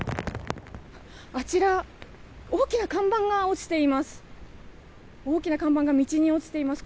あちら大きな看板が落ちています。